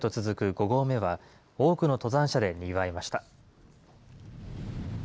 ５合目は、多くの登山者でにぎわいました。